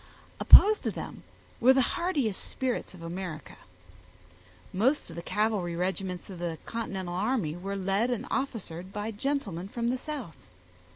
Opposed to them were the hardiest spirits of America. Most of the cavalry regiments of the continental army were led and officered by gentlemen from the South.